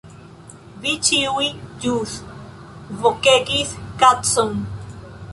Vi ĉiuj ĵus vokegis "kacon"